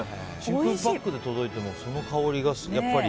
真空パックで届いてもその香りがやっぱり？